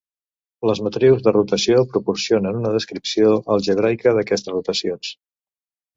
Les matrius de rotació proporcionen una descripció algebraica d'aquestes rotacions.